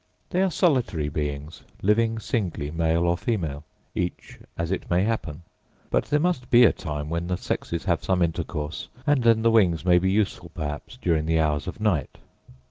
They are solitary beings, living singly male or female, each as it may happen: hut there must be a time when the sexes have some intercourse, and then the wings may be useful perhaps during the hours of night.